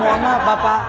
mau amah apa pak